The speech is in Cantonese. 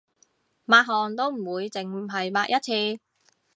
抹汗都唔會淨係抹一次